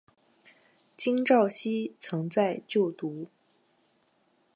金昭希曾在就读。